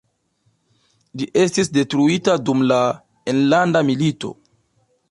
Ĝi estis detruita dum la Enlanda Milito.